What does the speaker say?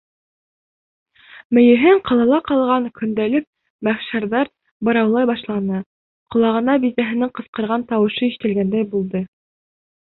Мейеһен «ҡалала ҡалған» көндәлек мәхшәрҙәр быраулай башланы, ҡолағына бисәһенең ҡысҡырған тауышы ишетелгәндәй булды.